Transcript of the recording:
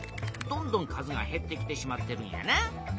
どんどん数がへってきてしまってるんやな。